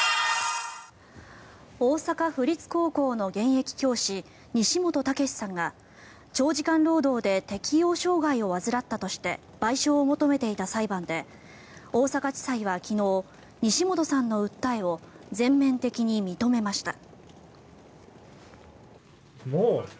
大阪府立高校の現役教師西本武史さんが長時間労働で適応障害を患ったとして賠償を求めていた裁判で大阪地裁は昨日西本さんの訴えを全面的に認めました。